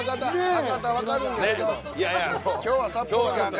博多はわかるんですけど今日は札幌なんで。